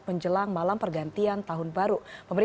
menjelang malam pergantian tahun baru